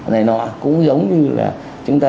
này nó cũng giống như là chúng ta